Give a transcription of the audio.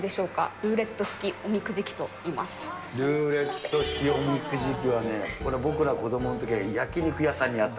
ルーレット式おみくじ器はね、これ、僕ら子どものときには焼肉屋さんにあった。